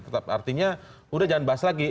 tetap artinya udah jangan bahas lagi